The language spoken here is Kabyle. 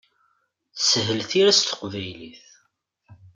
Teshel tira s teqbaylit.